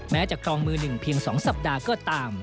แม้จะครองมือ๑เพียง๒สัปดาห์ก็ตาม